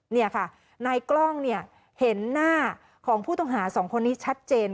นี่ค่ะในกล้องเห็นหน้าของผู้ตงหา๒คนนี้ชัดเจน